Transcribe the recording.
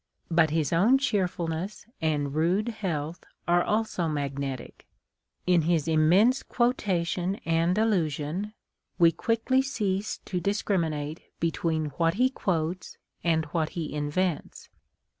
But his own cheerfulness and rude health are also magnetic. In his immense quotation and allusion, we quickly cease to discriminate between what he quotes and what he invents.